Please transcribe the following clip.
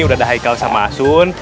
udah ada highl sama asun